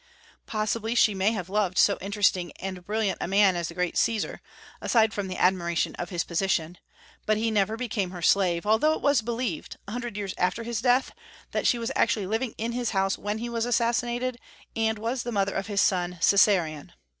Possibly she may have loved so interesting and brilliant a man as the great Caesar, aside from the admiration of his position; but he never became her slave, although it was believed, a hundred years after his death, that she was actually living in his house when he was assassinated, and was the mother of his son Caesarion.